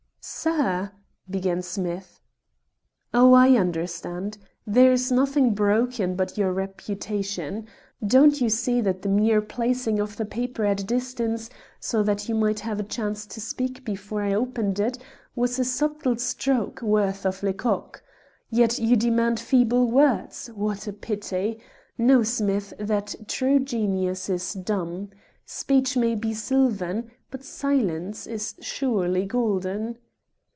"Sir " began Smith. "Oh, I understand; there is nothing broken but your reputation. Don't you see that the mere placing of the newspaper at a distance, so that you might have a chance to speak before I opened it, was a subtle stroke, worthy of Lecocq. Yet you demand feeble words. What a pity! Know, Smith, that true genius is dumb. Speech may be silvern, but silence is surely golden."